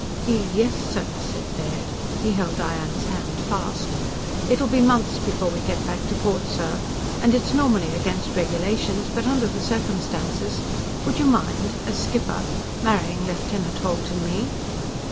_" "Y yes, sir," said Baird. He held Diane's hand fast. "It'll be months before we get back to port, sir. And it's normally against regulations, but under the circumstances ... would you mind ... as skipper ... marrying Lieutenant Holt and me?"